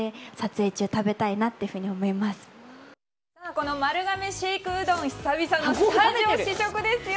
この丸亀シェイクうどん久々のスタジオ試食ですよ！